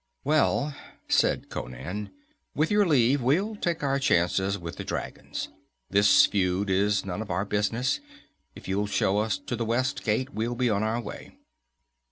"Well," said Conan, "with your leave we'll take our chances with the dragons. This feud is none of our business. If you'll show us to the west gate, we'll be on our way."